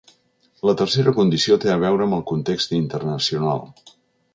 La tercera condició té a veure amb el context internacional.